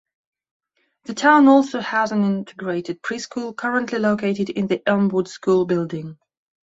The town also has an integrated preschool currently located in the Elmwood School building.